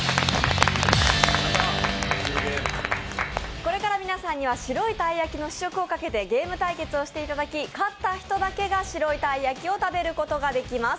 これから皆さんには白いたい焼きをかけてゲーム対決をしていただき、勝った人だけが白いたい焼きを食べることができます。